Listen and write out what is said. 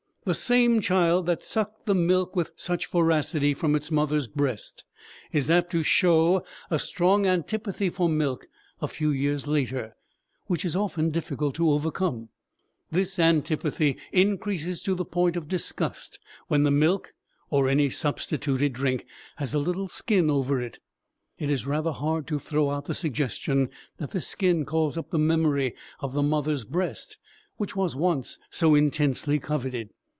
The same child that sucked the milk with such voracity from its mother's breast is apt to show a strong antipathy for milk a few years later, which is often difficult to overcome. This antipathy increases to the point of disgust when the milk, or any substituted drink, has a little skin over it. It is rather hard to throw out the suggestion that this skin calls up the memory of the mother's breast, which was once so intensely coveted.